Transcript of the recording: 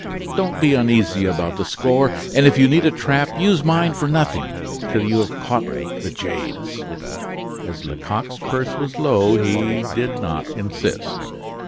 Don't be uneasy about the score, and if you need a trap use mine for nothing, till you have caught the jades." As Lecoq's purse was low, he did not insist.